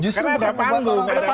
justru bukan orang orang